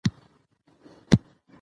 ژوند د زړه له سکون سره اسانه تېرېږي.